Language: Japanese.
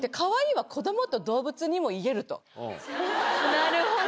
なるほど。